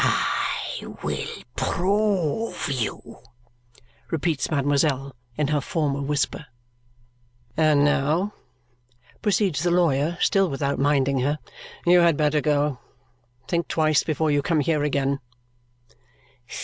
"I will prove you," repeats mademoiselle in her former whisper. "And now," proceeds the lawyer, still without minding her, "you had better go. Think twice before you come here again."